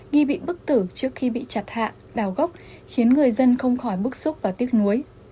nghi bị bức tử trước khi bị chặt hạ đào gốc khiến người dân không khỏi bức xúc và tiếc nuối